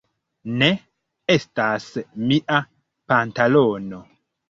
Ne! Estas mia pantalono!